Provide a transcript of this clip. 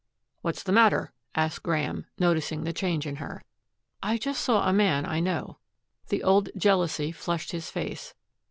"What's the matter?" asked Graeme, noticing the change in her. "I just saw a man I know." The old jealousy flushed his face.